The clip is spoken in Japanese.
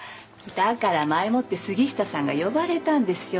だから前もって杉下さんが呼ばれたんですよ。